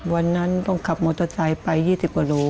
วันนั้นต้องขับมอเตอร์ไซค์ไป๒๐กว่าโล